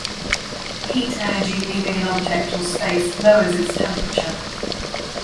Heat energy leaving an object or space lowers its temperature.